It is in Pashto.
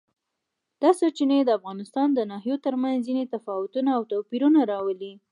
دا سرچینې د افغانستان د ناحیو ترمنځ ځینې تفاوتونه او توپیرونه راولي.